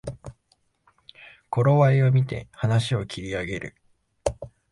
頃合いをみて話を切り上げる